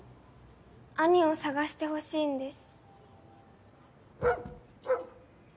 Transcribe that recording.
兄を捜してほしいんです。